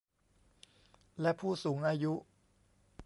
และผู้สูงอายุ